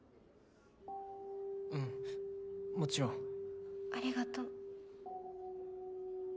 うんもちろん。ありがと。